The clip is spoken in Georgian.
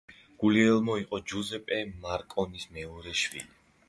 გულიელმო იყო ჯუზეპე მარკონის მეორე შვილი.